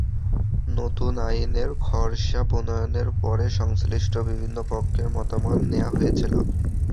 নতুন আইনের খসড়া প্রণয়নের পরে সংশ্লিষ্ট বিভিন্ন পক্ষের মতামত নেওয়া হয়েছিল।